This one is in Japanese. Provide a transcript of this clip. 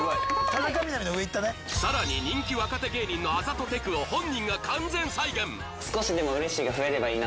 さらに人気若手芸人のあざとテクを本人が完全再現